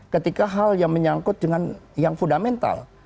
ketika hal yang menyangkut dengan yang fundamental